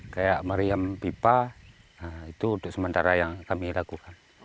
kayak meriam pipa itu untuk sementara yang kami lakukan